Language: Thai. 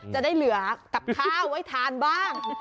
จะได้เหลือกับข้าวไว้ทานบ้าง